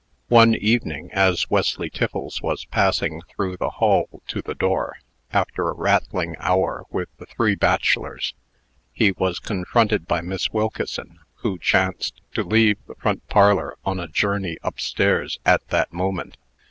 One evening, as Wesley Tiffles was passing through the hall to the door, after a rattling hour with the three bachelors, he was confronted by Miss Wilkeson, who chanced to leave the front parlor on a journey up stairs at that moment.